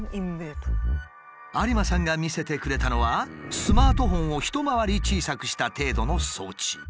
有馬さんが見せてくれたのはスマートフォンを一回り小さくした程度の装置。